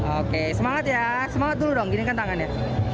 oke semangat ya semangat dulu dong gini kan tangannya